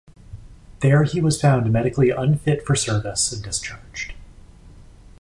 There he was found medically unfit for service and discharged.